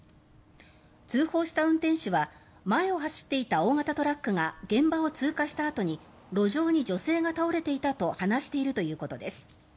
通報した運転手は前を走っていた大型トラックが現場を通過したあとに路上に女性が倒れていたと話しているということです。